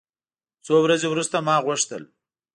څو ورځې وروسته ما غوښتل.